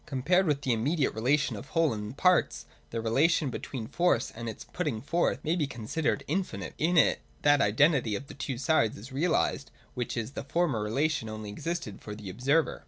(i) Compared with the immediate relation of whole and parts, the relation between force and its putting forth may be considered infinite. In it that identity of the two sides is realised, which in the former relation only existed for the observer.